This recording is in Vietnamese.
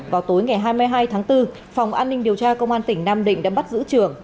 vào tối ngày hai mươi hai tháng bốn phòng an ninh điều tra công an tỉnh nam định đã bắt giữ trưởng